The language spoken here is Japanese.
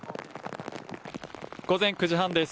午前９時半です。